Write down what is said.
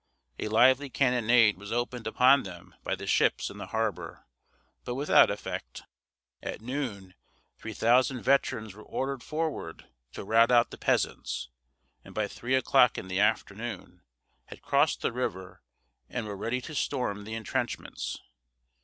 A lively cannonade was opened upon them by the ships in the harbor, but without effect. At noon, three thousand veterans were ordered forward to rout out the "peasants," and by three o'clock in the afternoon had crossed the river and were ready to storm the intrenchments.